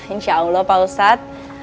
insya allah pak ustadz